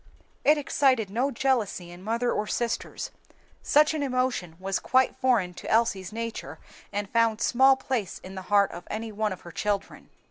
It excited no jealousy in mother or sisters. Such an emotion was quite foreign to Elsie's nature and found small place in the heart of any one of her children.